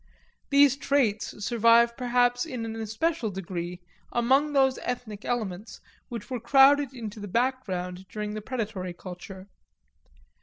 These traits survive perhaps in an especial degree among those ethic elements which were crowded into the background during the predatory culture.